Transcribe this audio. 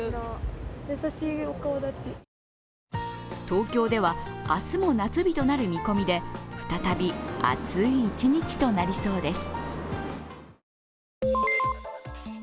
東京では明日も夏日となる見込みで再び暑い一日となりそうです。